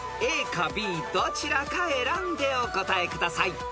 ［ＡかＢどちらか選んでお答えください］